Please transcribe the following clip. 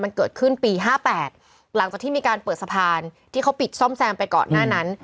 มันเกิดขึ้นปี๕๘หลังจากที่มีการเปิดสะพานที่เขาปิดซ่อมแซมไปก่อนหน้านั้น